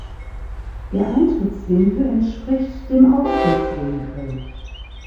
Der Eintrittswinkel entspricht dem Austrittswinkel.